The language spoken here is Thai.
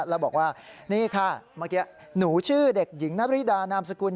แล้วบอกว่านี่ค่ะเมื่อกี้หนูชื่อเด็กหญิงนาริดานามสกุล